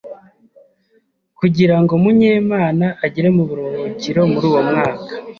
kugirango munyemana agere mu buruhukiro muri uwo mwaka,